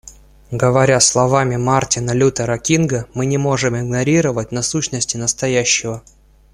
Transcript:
Говоря словами Мартина Лютера Кинга, мы не можем игнорировать насущности настоящего.